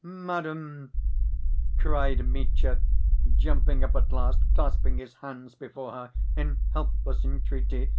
"Madam!" cried Mitya, jumping up at last, clasping his hands before her in helpless entreaty.